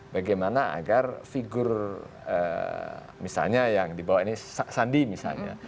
bagaimana agar figur misalnya yang dibawa ini sandi misalnya